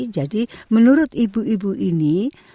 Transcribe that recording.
jadi menurut ibu ibu ini